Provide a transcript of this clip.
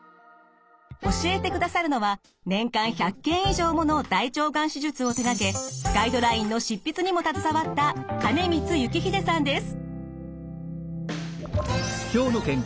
教えてくださるのは年間１００件以上もの大腸がん手術を手がけガイドラインの執筆にも携わった金光幸秀さんです。